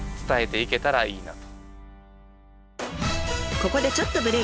ここでちょっとブレーク。